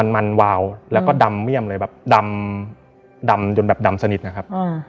แบบดำสนิทนะครับ